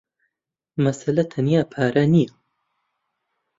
مەسەلە تەنیا پارە نییە.